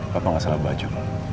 papa nggak salah baju